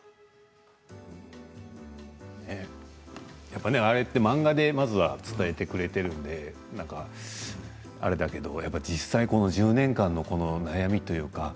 やっぱり、ああやって漫画で伝えてくれているのであれだけど実際この１０年間の悩みというか